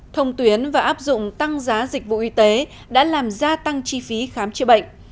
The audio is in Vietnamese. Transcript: thông tuyến và áp dụng tăng giá dịch vụ y tế đã làm gia tăng chi phí khám chữa bệnh